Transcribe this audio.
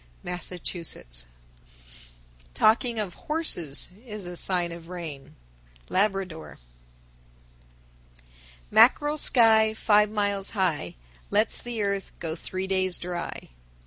Massachusetts. 1019. Talking of horses is a sign of rain. Labrador. 1020. Mackerel sky Five miles high Lets the earth Go three days dry.